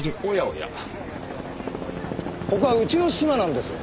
ここはうちのシマなんです。